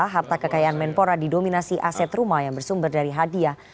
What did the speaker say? harta kekayaan menpora didominasi aset rumah yang bersumber dari hadiah